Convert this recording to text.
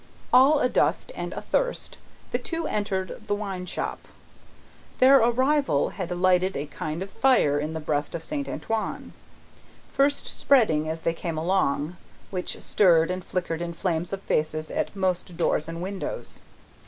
All adust and athirst, the two entered the wine shop. Their arrival had lighted a kind of fire in the breast of Saint Antoine, fast spreading as they came along, which stirred and flickered in flames of faces at most doors and windows.